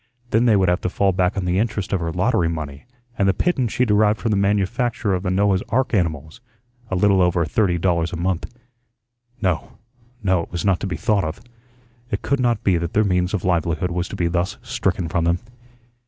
Then they would have to fall back on the interest of her lottery money and the pittance she derived from the manufacture of the Noah's ark animals, a little over thirty dollars a month. No, no, it was not to be thought of. It could not be that their means of livelihood was to be thus stricken from them.